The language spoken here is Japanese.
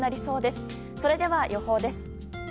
それでは予報です。